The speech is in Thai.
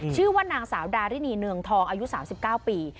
ชื่อว่านางสาวดารินีเนืองทองอายุ๓๙ปี